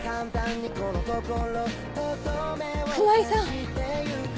熊井さん。